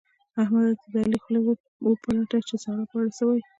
احمده! ته د علي خوله وپلټه چې د سارا په اړه څه وايي؟